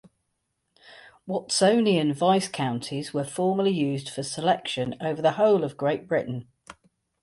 Watsonian vice-counties were formerly used for selection over the whole of Great Britain.